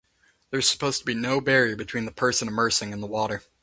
There is supposed to be no barrier between the person immersing and the water.